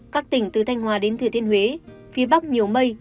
các tỉnh từ thanh hòa đến thừa thiên huế phía bắc nhiều mây